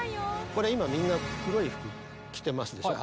これ今みんな黒い服着てますでしょ。